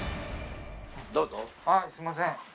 あっすみません。